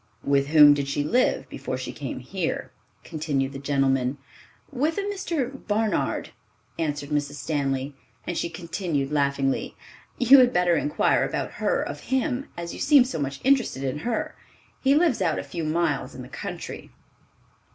"With whom did she live before she came here?" continued the gentleman. "With a Mr. Barnard," answered Mrs. Stanley; and she continued laughingly, "You had better inquire about her of him, as you seem so much interested in her. He lives out a few miles in the country."